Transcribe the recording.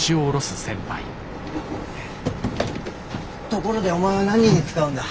ところでお前は何に使うんだ？